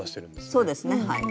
そうですねはい。